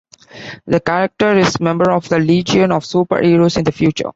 The character is a member of the Legion of Super-Heroes in the future.